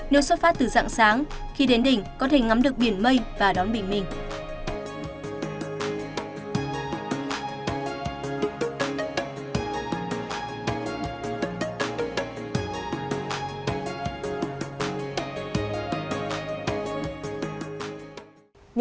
nếu xuất phát từ dạng sáng khi đến đỉnh có thể ngắm được biển mây và đón bình minh